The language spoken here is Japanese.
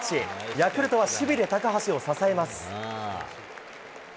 ヤクルトは守備で高橋を支えます。